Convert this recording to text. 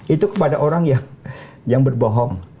itu kepada orang yang berbohong